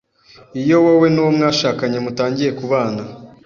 Iyo wowe n’uwo mwashakanye mutangiye kubana